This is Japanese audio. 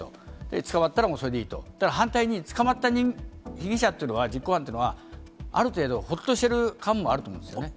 捕まったら、もうそれでいいと、だから反対に、捕まった被疑者というのは、実行犯というのは、ある程度、ほっとしてる感もあると思うんですよね。